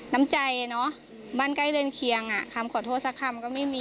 น้ำใจเนอะบ้านใกล้เรือนเคียงอ่ะคำขอโทษสักคำก็ไม่มี